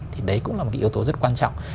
thì đấy cũng là một cái yếu tố rất quan trọng